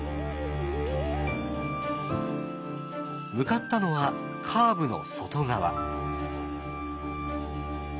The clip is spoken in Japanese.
向かったのはカーブの外側。